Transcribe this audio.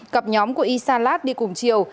cặp nhóm của y salat đi cùng chiều